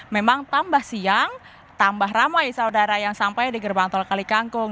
memang tambah siang tambah ramai saudara yang sampai di gerbang tol kalikangkung